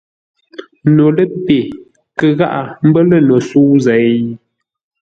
No ləpe kə gháʼa mbə́ lə̂ no sə̌u zêi ?